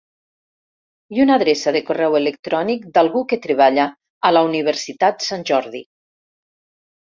I una adreça de correu electrònic d'algú que treballa a la Universitat Sant Jordi.